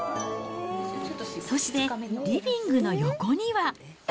そして、リビングの横には。